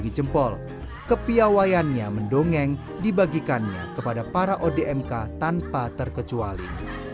dan bagi jempol kepiawayannya mendongeng dibagikannya kepada para odmk tanpa terkecuali